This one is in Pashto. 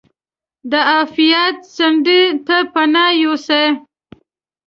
د عافیت څنډې ته پناه یوسي.